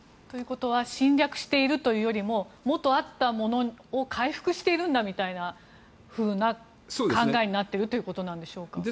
ということは侵略しているというよりももとあったものを回復しているみたいな考えになっているということでしょうか。